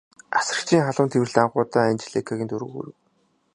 Асрагчийн халуун тэврэлт анх удаа Анжеликагийн дургүйг хүргэв.